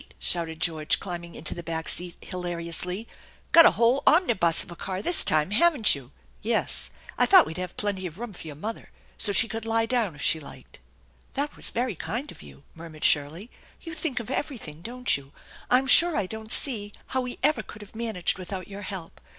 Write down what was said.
shouted George, climbing into the back seat hilariously. "Got a whole < *mnibus of a oar this time, haven't you?" THE ENCHANTED BARN 127 "Yes, I thought we'd have plenty of room for your mother, so she could lie down if she liked." " That was very kind of you," murmured Shirley. " You think of everything, don't you? I'm sure I don't see how we ever could have managed without your help.